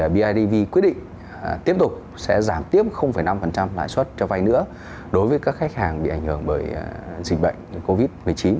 bidv quyết định tiếp tục sẽ giảm tiếp năm lãi suất cho vay nữa đối với các khách hàng bị ảnh hưởng bởi dịch bệnh covid một mươi chín